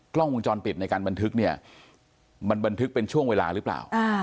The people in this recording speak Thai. กล้องวงจรปิดในการบันทึกเนี่ยมันบันทึกเป็นช่วงเวลาหรือเปล่า